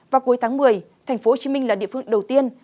vào cuối tháng một mươi tp hcm là địa phương đầu tiên